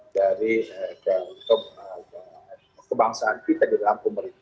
dari kebangsaan kita di dalam pemerintah